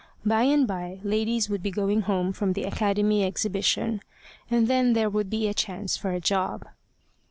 By and by ladies would be going home from the Academy exhibition, and then there would be a chance of a job.